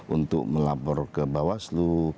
untuk melapor ke bawah selu